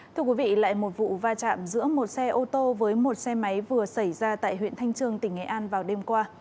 thưa quý vị lại một vụ va chạm giữa một xe ô tô với một xe máy vừa xảy ra tại huyện thanh trương tỉnh nghệ an vào đêm qua